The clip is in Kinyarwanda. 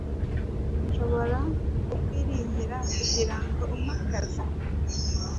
Nshobora kukwiringira kugirango umpe akazi?